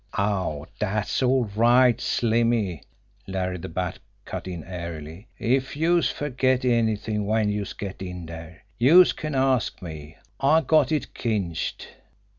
"Aw, dat's all right, Slimmy!" Larry the Bat cut in airily. "If youse ferget anyt'ing when youse get in dere, youse can ask me. I got it cinched!"